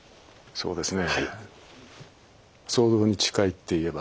そうですね。